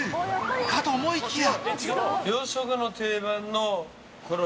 かと思いきや。